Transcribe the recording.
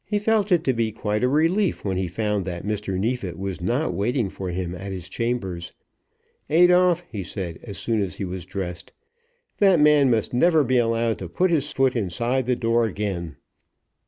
He felt it to be quite a relief when he found that Mr. Neefit was not waiting for him at his chambers. "Adolphe," he said as soon as he was dressed, "that man must never be allowed to put his foot inside the door again."